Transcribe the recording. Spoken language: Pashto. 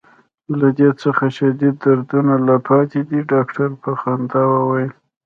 له دې څخه شدید دردونه لا پاتې دي. ډاکټر په خندا وویل.